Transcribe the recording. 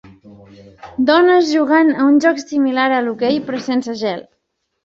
Dones jugant a un joc similar a l'hoquei, però sense gel.